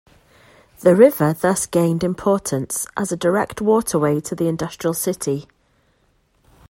The river thus gained importance as a direct waterway to the industrial city.